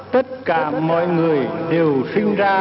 tất cả mọi người đều sinh ra